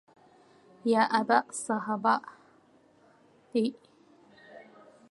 يَا أَبَا الصَّهْبَاءِ